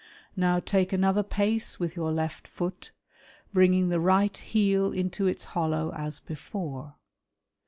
" Now take another pace with your left foot, bringing the right '' heel into its hollow, as before.